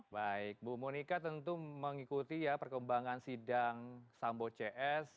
baik bu monika tentu mengikuti ya perkembangan sidang sambo cs